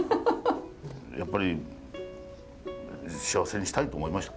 やっぱり幸せにしたいと思いました。